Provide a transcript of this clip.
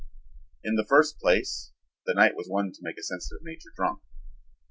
In the first place, the night was one to make a sensitive nature drunk.